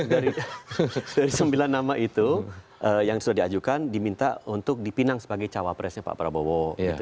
dari sembilan nama itu yang sudah diajukan diminta untuk dipinang sebagai cawapresnya pak prabowo